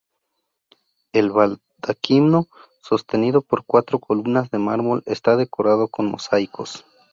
El baldaquino, sostenido por cuatro columnas de mármol está decorado con mosaicos.